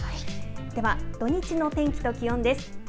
では土日の天気と気温です。